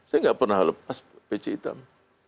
saya tidak pernah lepas pc hitam